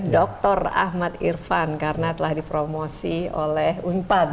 doktor ahmad irvan karena telah dipromosi oleh unpad ya